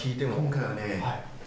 今回はね。